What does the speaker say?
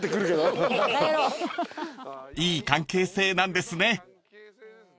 ［いい関係性なんですね］